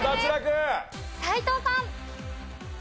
斎藤さん。